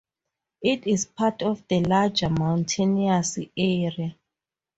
It is part of a larger mountainous area.